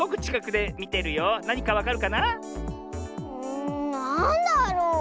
んなんだろう。